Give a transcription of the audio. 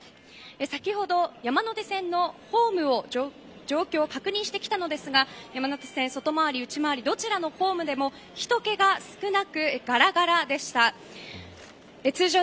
先ほど、山手線のホームの状況を確認してきたのですが山手線内回り、外回りどちらのホームでもひと気が少なくがらがらでした。